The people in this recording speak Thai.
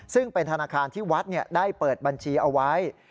ซึ่งเป็นธนาคารที่วัดได้เปิดบัญชีเอาไว้